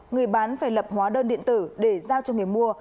người bán phải lập hóa đơn điện tử để giao cho người mua